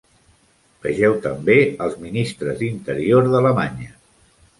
Vegeu també els ministres d'interior d'Alemanya.